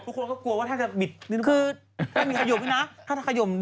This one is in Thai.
ทุกคนก็กลัวว่าถ้ามีสารกระจาขายอมด้วยนะ